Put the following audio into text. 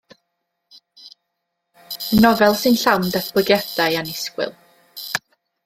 Nofel sy'n llawn datblygiadau annisgwyl.